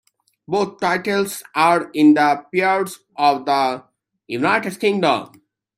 Both titles are in the Peerage of the United Kingdom.